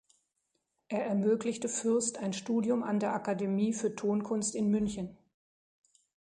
Er ermöglichte Fürst ein Studium an der Akademie für Tonkunst in München.